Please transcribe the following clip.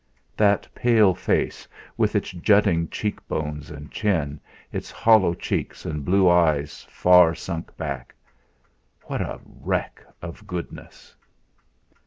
That pale face, with its jutting cheek bones and chin, its hollow cheeks and blue eyes far sunk back what a wreck of goodness!